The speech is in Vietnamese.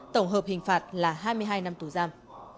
tổng hợp hình phạt là hai mươi hai năm tù giam